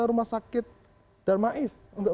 rumah sakit darmais untuk